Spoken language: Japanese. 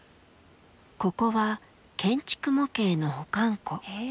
ここは建築模型の保管庫。